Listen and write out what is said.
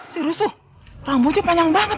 serius tuh rambutnya panjang banget